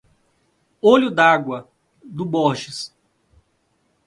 Olho d'Água do Borges